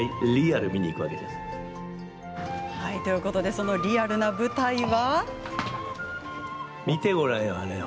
そのリアルな舞台は。